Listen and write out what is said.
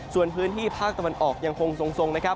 ส่วนพื้นที่ภาคตะวันออกยังคงทรงนะครับ